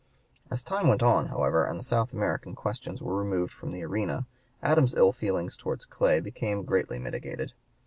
As time went on, however, and the South American questions (p. 154) were removed from the arena, Adams's ill feeling towards Clay became greatly mitigated.